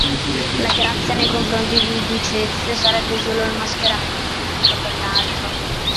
La grazia nei confronti di Ducezio sarebbe solo il "mascheramento pubblico" a quell'altro.